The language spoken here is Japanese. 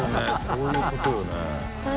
そういうことよね堀）